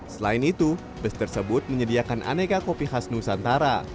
selain itu bus tersebut menyediakan aneka kopi khas nusantara